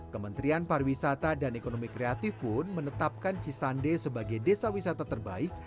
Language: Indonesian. kementerian pariwisata dan ekonomi kreatif pun menetapkan cisande sebagai desa wisata terbaik